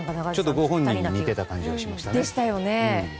ご本人に似てた感じがしましたね。